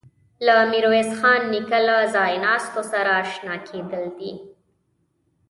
له میرویس خان نیکه له ځایناستو سره آشنا کېدل دي.